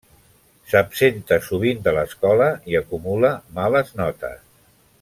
S'absenta sovint de l'escola i acumula males notes.